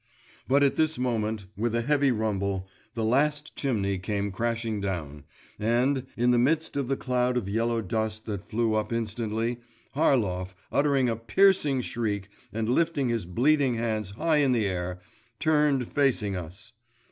…' But at this moment, with a heavy rumble, the last chimney came crashing down, and, in the midst of the cloud of yellow dust that flew up instantly, Harlov uttering a piercing shriek and lifting his bleeding hands high in the air turned facing us.